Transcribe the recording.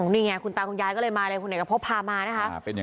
นี่ไงคุณตาคุณยายก็เลยมาเลยคุณเอกพบพามานะคะ